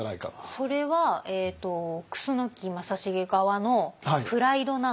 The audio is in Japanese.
それは楠木正成側のプライドなのか